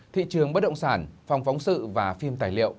thị trường bất động sản phòng phóng sự và phim tài liệu